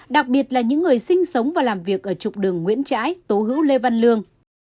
đặc biệt là những người sinh sống và làm việc ở trục đường nguyễn trãi tố hữu lê văn lương